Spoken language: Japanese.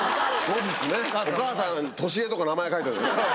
お母さんトシエとか名前書いてある。